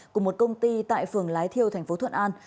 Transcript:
của một công ty tại phường lái thiêu tp thuận an